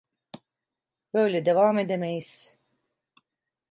Böyle devam edemeyiz.